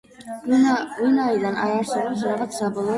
ვინაიდან არ არსებობს რაღაც საბოლოო წერტილი შეგუების.